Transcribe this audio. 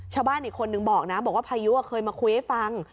ชาวบ้านอีกคนนึงบอกนะบอกว่าพายุเคยมาคุยให้ฟัง